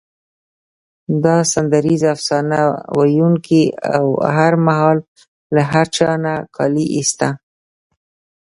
دا سندریز افسانه ویونکی او هر مهال له هر چا نه کالي ایسته.